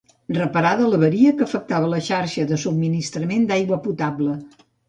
Reparada l'avaria que afectava la xarxa de subministrament d'aigua potable.